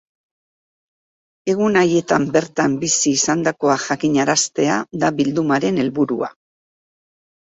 Egun haietan bertan bizi izandakoa jakin araztea da bildumaren helburua.